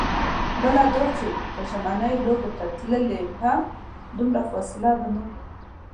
بله دا چې که ژمنیو لوبو ته تللې هم، دومره فاصله به نه وي.